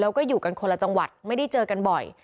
แล้วก็อยู่กันคนละจังหวัดไม่ได้เจอกันบ่อย